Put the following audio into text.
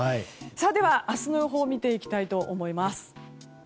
明日の予報見ていきたいと思います。